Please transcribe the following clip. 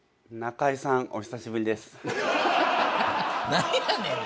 何やねん。